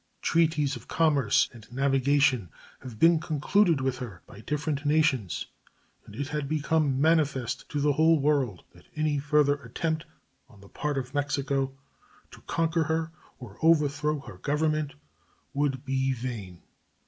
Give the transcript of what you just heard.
Treaties of commerce and navigation had been concluded with her by different nations, and it had become manifest to the whole world that any further attempt on the part of Mexico to conquer her or overthrow her Government would be vain.